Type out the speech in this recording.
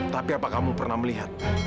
tapi apa kamu pernah melihat